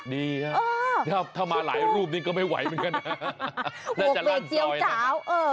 ดีครับถ้ามาหลายรูปนี้ก็ไม่ไหวเหมือนกันนะน่าจะรั่นจ่อยนะครับโอเคเจียว